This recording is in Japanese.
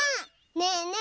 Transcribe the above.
ねえねえ